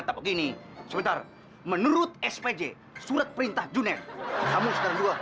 sampai jumpa di video selanjutnya